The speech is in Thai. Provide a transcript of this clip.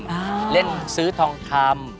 อ้าาาาเล่นซื้อทองคำ